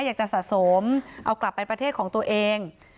อยากจะสะสมเอากลับไปประเทศของตัวเอง